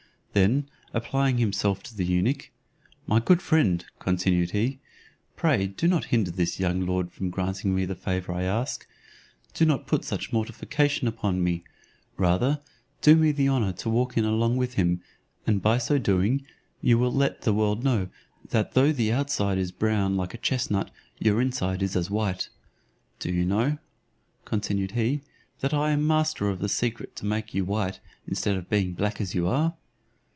Then applying himself to the eunuch, "My good friend," continued he, "pray do not hinder this young lord from granting me the favour I ask; do not put such mortification upon me: rather do me the honour to walk in along with him, and by so doing, you will let the world know, that, though your outside is brown like a chestnut, your inside is as white. Do you know," continued he, "that I am master of the secret to make you white, instead of being black as you are?"